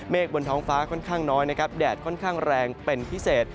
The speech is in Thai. บนท้องฟ้าค่อนข้างน้อยนะครับแดดค่อนข้างแรงเป็นพิเศษ